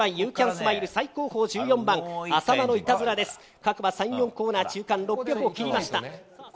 各馬３、４コーナー中間６００を切りました。